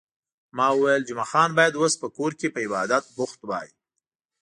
ما وویل، جمعه خان باید اوس په کور کې په عبادت بوخت وای.